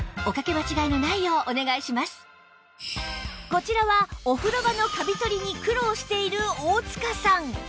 こちらはお風呂場のカビ取りに苦労している大塚さん